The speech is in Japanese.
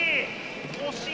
惜しい！